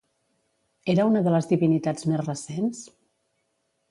Era una de les divinitats més recents?